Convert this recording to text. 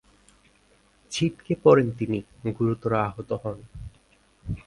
ছিটকে পড়েন তিনি, গুরুতর আহত হন।